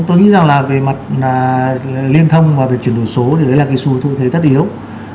tôi nghĩ rằng là về mặt liên thông và chuyển đổi số thì đấy là cái sự thu thế tất yếu